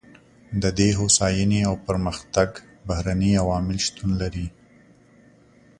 د دې هوساینې او پرمختګ بهرني عوامل شتون لري.